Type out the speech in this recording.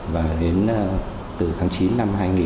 và đến từ tháng chín năm hai nghìn một mươi